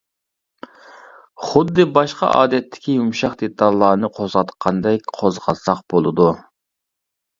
خۇددى باشقا ئادەتتىكى يۇمشاق دېتاللارنى قوزغاتقاندەك قوزغاتساق بولىدۇ.